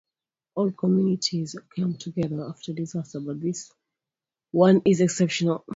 All communities come together after a disaster, but this one is exceptional.